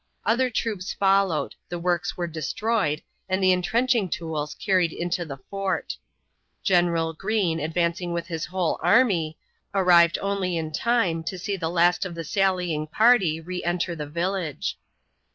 Other troops followed, the works were destroyed, and the intrenching tools carried into the fort. General Greene, advancing with his whole army, arrived only in time to see the last of the sallying party re enter the village.